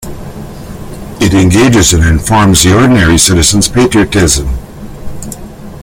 It engages and informs the ordinary citizen's patriotism.